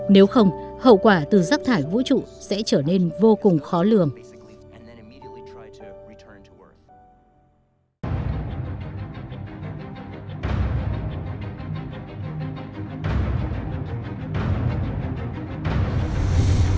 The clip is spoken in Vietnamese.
nếu không hậu quả từ rác thải vũ trụ sẽ trở nên vô cùng khó lường